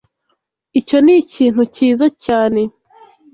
Icyo ni ikintu cyiza cyane.